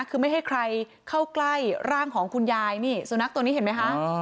คือไม่ให้ใครเข้าใกล้ร่างของคุณยายนี่สุนัขตัวนี้เห็นไหมคะ